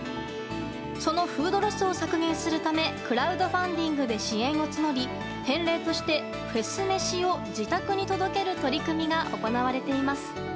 そのフードロスを削減するためクラウドファンディングで支援を募り返礼としてフェス飯を自宅に届ける取り組みが行われています。